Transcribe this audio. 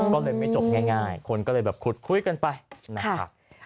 ก็เลยไม่จบง่ายคนก็เลยแบบขุดคุยกันไปนะครับ